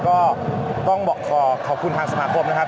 ก็ต้องบอกขอขอบคุณทางสมาคมนะครับ